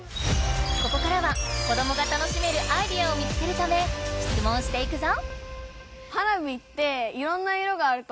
ここからは子どもが楽しめるアイデアを見つけるため質問していくぞ！